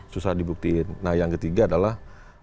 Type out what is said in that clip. susah dibuktiin nah yang ketiga adalah